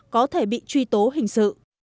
có thể bị truy tố hình sự